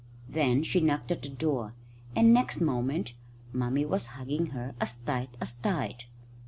Then she knocked at the door, and next moment Mummy was hugging her as tight as tight.